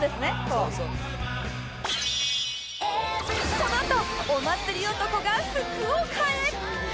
このあとお祭り男が福岡へ